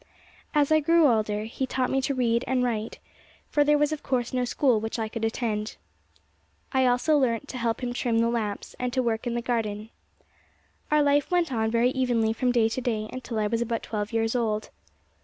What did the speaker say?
As I grew older, he taught me to read and write, for there was of course no school which I could attend. I also learnt to help him to trim the lamps, and to work in the garden. Our life went on very evenly from day to day, until I was about twelve years old.